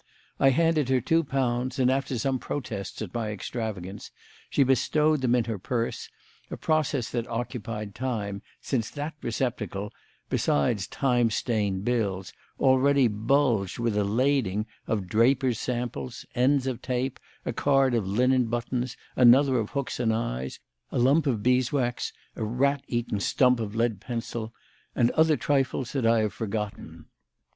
I handed her two pounds, and, after some protests at my extravagance, she bestowed them in her purse; a process that occupied time, since that receptacle, besides and time stained bills, already bulged with a lading of draper's samples, ends of tape, a card of linen buttons, another of hooks and eyes, a lump of beeswax, a rat eaten stump of lead pencil, and other trifles that I have forgotten.